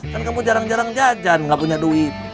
kan kamu jarang jarang jajan nggak punya duit